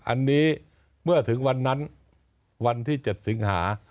อันนี้เมื่อถึงวันนั้นวันที่๗สิงหา